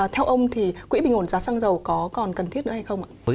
theo ông quỹ bình ổn giá xăng dầu còn cần thiết nữa hay không